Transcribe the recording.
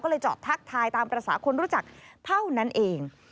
ก็เลยจอดทักทายตามภาษาคนรู้จักเท่านั้นเอง